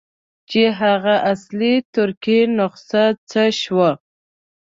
چې هغه اصلي ترکي نسخه څه شوه.